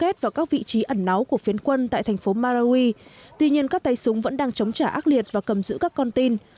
tiến tiếp nã rocket vào các vị trí ẩn náu của phiến quân tại thành phố marawi tuy nhiên các tay súng vẫn đang chống trả ác liệt và cầm giữ các con tin